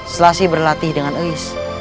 selasi berlatih dengan uyis